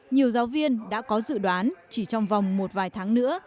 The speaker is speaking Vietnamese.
nhiều giáo viên đã có dự đoán chỉ trong vòng một vài tháng nữa